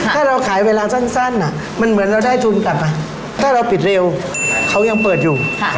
ถ้าเราขายเวลาสั้นมันเหมือนเราได้ทุนกลับไปถ้าเราปิดเร็วเขายังเปิดอยู่